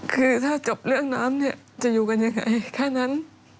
คือถ้าจบเรื่องน้ำเนี่ยจะอยู่กันยังไงแค่นั้น